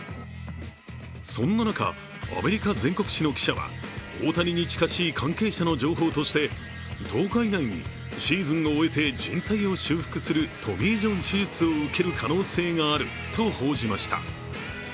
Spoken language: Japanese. そんな中、アメリカ全国紙の記者は大谷に近しい関係者の情報として１０日以内にシーズンを終えてじん帯を修復するトミー・ジョン手術を受ける可能性があると報じました。